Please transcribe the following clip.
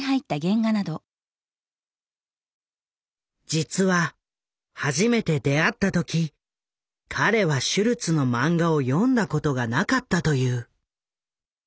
実は初めて出会った時彼はシュルツのマンガを読んだことがなかったという。